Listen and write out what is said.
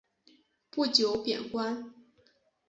不久贬官。